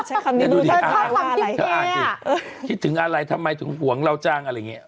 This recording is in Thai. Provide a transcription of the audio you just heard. ใช่คำนี้รู้จักว่าอะไรคิดถึงอะไรทำไมถึงห่วงเราจ้างอะไรอย่างนี้